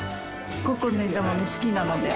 ここの枝豆好きなので。